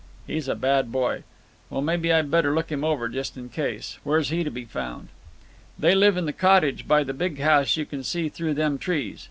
"He's a bad boy." "Well, maybe I'd better look him over, just in case. Where's he to be found?" "They live in the cottage by the big house you can see through them trees.